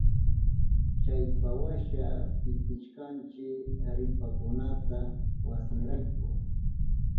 Chaypawasha pitishkanchi ripakunata wasinrayku.